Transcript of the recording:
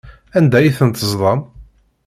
Anda ay ten-teẓḍam?